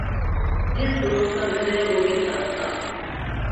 جس دوست کا گھر ہےوہ بھی ساتھ تھا ۔